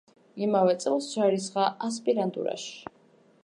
იმავე წელს ჩაირიცხა ასპირანტურაში.